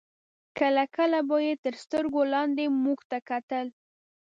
کله کله به یې تر سترګو لاندې موږ ته کتل.